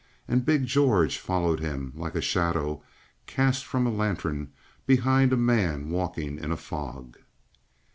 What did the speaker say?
And big George followed him like a shadow cast from a lantern behind a man walking in a fog.